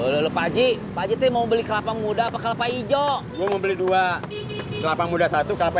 lu paji paji mau beli kelapa muda atau kelapa hijau gua mau beli dua kelapa muda satu kelapa